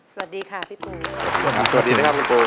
สวัสดีค่ะพี่ปู